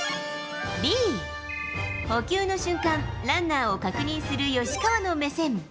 Ｂ、捕球の瞬間、ランナーを確認する吉川の目線。